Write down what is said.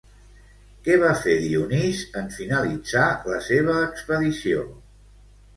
Què va fer Dionís en finalitzar la seva expedició?